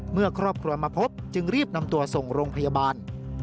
เมื่อครอบครัวมาพบจึงรีบนำตัวส่งโรงพยาบาล